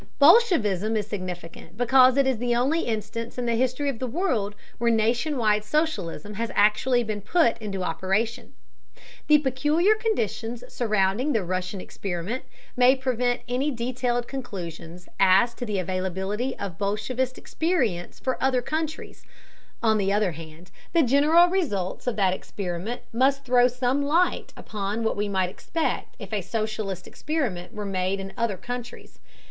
Bolshevism is significant because it is the only instance in the history of the world where nation wide socialism has actually been put into operation. The peculiar conditions surrounding the Russian experiment may prevent any detailed conclusions as to the availability of bolshevist experience for other countries; on the other hand, the general results of that experiment must throw some light upon what we might expect if a socialist experiment were made in other countries.